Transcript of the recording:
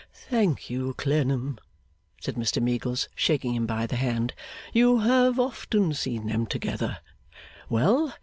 'Thank you, Clennam,' said Mr Meagles, shaking him by the hand; 'you have often seen them together. Well!